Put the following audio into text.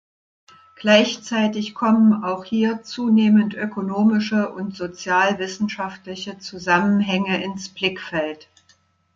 Gleichzeitig kommen auch hier zunehmend ökonomische und sozialwissenschaftliche Zusammenhänge ins Blickfeld.